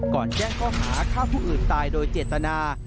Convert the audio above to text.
ก่อนแจ้งก็หาข้าวผู้อื่นตายโดยเจตนา